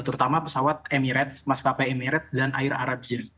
terutama pesawat emirates maskapai emirates dan air arab jaya